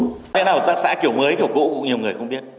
thế nào hợp tác xã kiểu mới kiểu cũ cũng nhiều người không biết